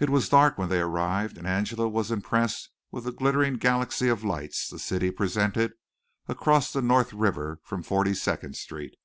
It was dark when they arrived and Angela was impressed with the glittering galaxy of lights the city presented across the North River from Forty second Street.